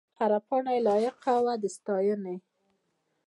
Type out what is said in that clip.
هره پاڼه یې لایق وه د ستاینې.